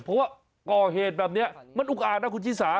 เพราะว่าก่อเหตุแบบนี้มันอุกอาจนะคุณชิสา